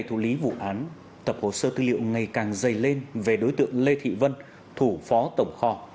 thưa quý vị và các bạn hai mươi một ngày thủ lý vụ án tập hồ sơ tư liệu ngày càng dày lên về đối tượng lê thị vân thủ phó tổng kho